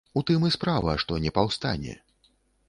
У тым і справа, што не паўстане.